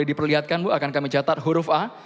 diperlihatkan bu akan kami catat huruf a